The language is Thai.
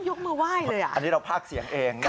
ยกมือไหว้เลยอ่ะอันนี้เราภาคเสียงเอง